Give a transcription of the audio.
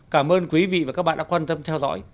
cảm ơn quý vị và các bạn đã quan tâm theo dõi